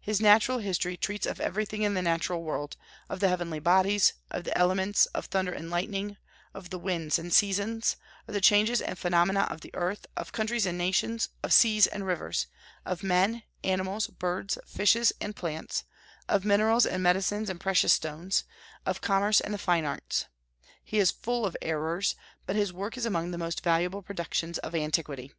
His Natural History treats of everything in the natural world, of the heavenly bodies, of the elements, of thunder and lightning, of the winds and seasons, of the changes and phenomena of the earth, of countries and nations, of seas and rivers, of men, animals, birds, fishes, and plants, of minerals and medicines and precious stones, of commerce and the fine arts. He is full of errors, but his work is among the most valuable productions of antiquity.